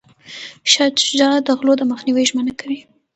شاه شجاع د غلو د مخنیوي ژمنه کوي.